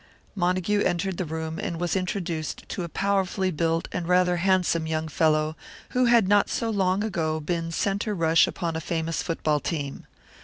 Montague entered the room and was introduced to a powerfully built and rather handsome young fellow, who had not so long ago been centre rush upon a famous football team.